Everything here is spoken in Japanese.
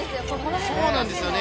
そうなんですよね。